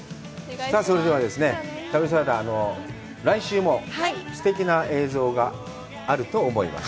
それでは、旅サラダ、来週もすてきな映像があると思います。